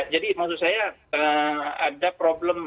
jadi maksud saya ada problem